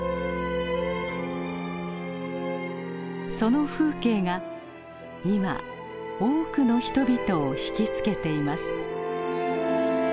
その風景が今多くの人々を引き付けています。